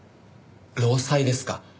労災ですか？